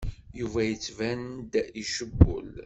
Yuba yettban-d icewwel.